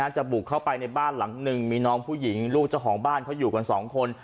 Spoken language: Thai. จะบุกเข้าไปในบ้านหลังหนึ่งมีน้องผู้หญิงลูกเจ้าของบ้านเขาอยู่กันสองคน